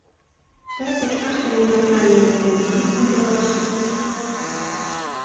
— Тый кочкаш толынат але роколмам ужалаш?